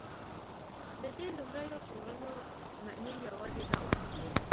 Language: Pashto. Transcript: د دې لومړیو تورونو معنی یوازې دا وه.